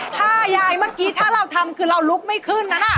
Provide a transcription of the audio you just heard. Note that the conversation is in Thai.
ถ้ายายเมื่อกี้ถ้าเราทำคือเราลุกไม่ขึ้นนั้น